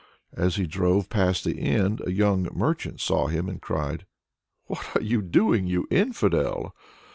As he drove past the inn a young merchant saw him, and cried "What are you doing, you infidel!"